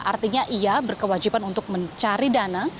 artinya ia berkewajiban untuk mencari dana